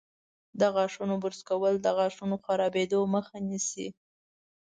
د غاښونو برش کول د غاښونو خرابیدو مخه نیسي.